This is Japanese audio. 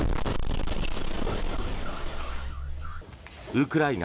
ウクライナ